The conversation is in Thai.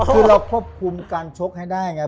คือเราควบคุมการชกให้ได้ไง